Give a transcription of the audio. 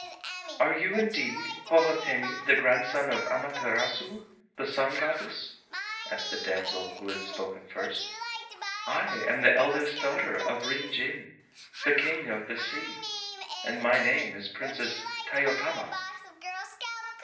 "Are you indeed Hohodemi, the grandson of Amaterasu, the Sun Goddess?" asked the damsel who had spoken first. "I am the eldest daughter of Ryn Jin, the King of the Sea, and my name is Princess Tayotama."